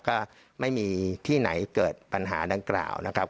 ก็ไม่มีที่ไหนเกิดปัญหาดังกล่าวนะครับ